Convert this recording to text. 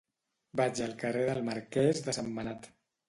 Vaig al carrer del Marquès de Sentmenat.